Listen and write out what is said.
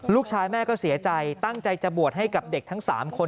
ลูกชายแม่ก็เสียใจตั้งใจจะบวชให้กับเด็กทั้ง๓คน